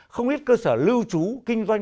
không ít cơ sở lưu trú kinh doanh